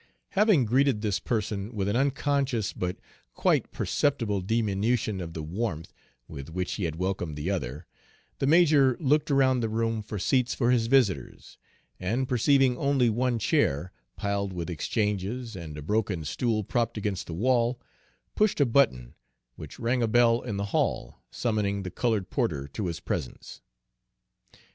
Having greeted this person with an unconscious but quite perceptible diminution of the warmth with which he had welcomed the other, the major looked around the room for seats for his visitors, and perceiving only one chair, piled with exchanges, and a broken stool propped against the wall, pushed a button, which rang a bell in the hall, summoning the colored porter to his presence.